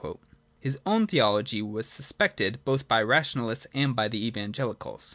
His own theology was suspected both by the Rationa lists and by the Evangelicals.